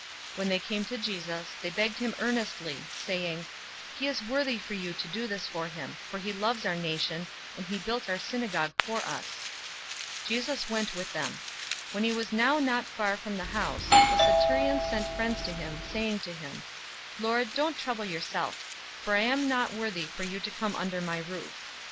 007:004 When they came to Jesus, they begged him earnestly, saying, "He is worthy for you to do this for him, 007:005 for he loves our nation, and he built our synagogue for us." 007:006 Jesus went with them. When he was now not far from the house, the centurion sent friends to him, saying to him, "Lord, don't trouble yourself, for I am not worthy for you to come under my roof.